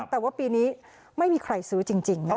แต่ว่าปีนี้ไม่มีใครซื้อจริงนะคะ